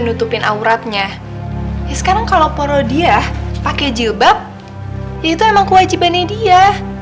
nutupin auratnya sekarang kalau porodiah pakai jilbab itu emang kewajibannya dia